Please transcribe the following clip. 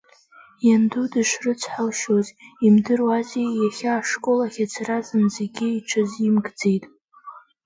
Ианду дышрыцҳалшьоз имдыруази, иахьа ашкол ахь ацара зынӡагьы иҽазимкӡеит.